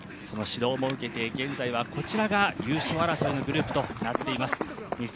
その指導も受けて、現在はこちらが優勝争いのグループとなっています。